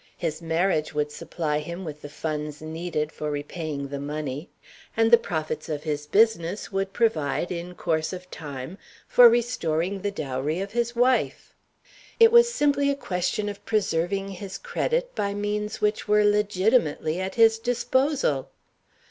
His marriage would supply him with the funds needed for repaying the money, and the profits of his business would provide, in course of time, for restoring the dowry of his wife. It was simply a question of preserving his credit by means which were legitimately at his disposal.